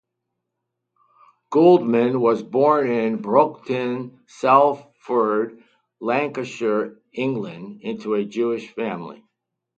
Gouldman was born in Broughton, Salford, Lancashire, England into a Jewish family.